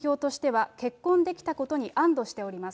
今の心境としては、結婚できたことに安どしております。